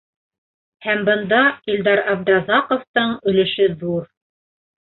Һәм бында Илдар Абдразаҡовтың өлөшө ҙур.